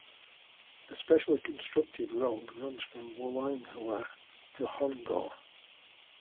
A specially constructed road runs from Wulanhua to Honggor.